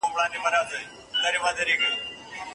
که موږ وغواړو نو کولای سو چي د کتاب په مرسته نړۍ بدله کړو.